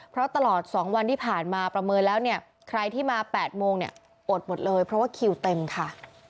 เพราะตลอด๒วันที่ผ่านมาประเมินแล้วเนี่ยใครที่มา๘โมงเนี่ยอดหมดเลยเพราะว่าคิวเต็มค่ะ